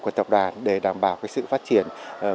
của tập đoàn để đảm bảo sự phát triển